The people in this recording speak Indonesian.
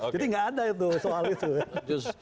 jadi gak ada itu soal itu